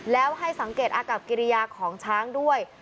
แล้วให้สังเกตอากับกิริยาของช้างด้วย